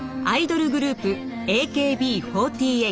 アイドルグループＡＫＢ４８。